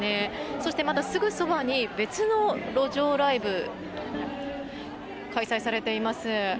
そして、またすぐそばに別の路上ライブ開催されています。